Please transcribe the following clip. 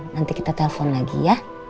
nanti kita telpon lagi ya